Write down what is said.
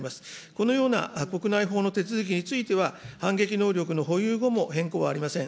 このような国内法の手続きについては反撃能力の保有後も変更はありません。